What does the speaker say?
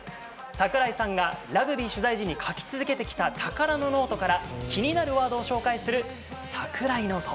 櫻井さんがラグビー取材時に書き続けてきた宝のノートから気になるワードを紹介する櫻井ノート。